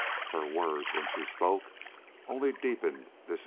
Her words when she spoke only deepened this impression.